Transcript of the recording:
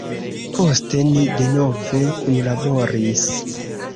Poste ni denove kunlaboris.